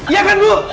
iya kan bu